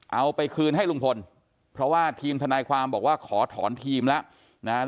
เอาไปคืนให้ลุงพลเพราะว่าทีมทนายความบอกว่าขอถอนทีมแล้วนะฮะ